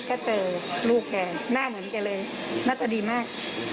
ก็เจอลูกแกหน้าเหมือนแกเลยหน้าตาดีมาก